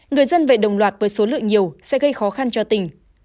người dân vệ đồng loạt với số lượng nhiều sẽ gây khó khăn cho tỉnh